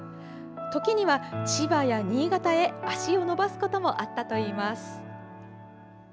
時には、千葉や新潟へ足を延ばすこともあったといいます。